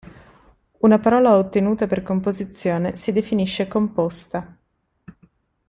Una parola ottenuta per composizione si definisce composta.